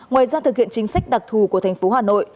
ngoài ra thực hiện chính sách đặc thù của thành phố hà nội